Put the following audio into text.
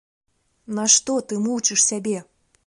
Нашто ты мучыш сябе?